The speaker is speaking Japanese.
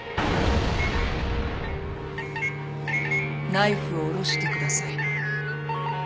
ナイフを下ろしてください。